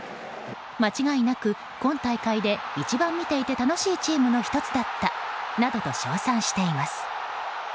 間違いなく今大会で一番見ていて楽しいチームの１つだったなどと称賛しています。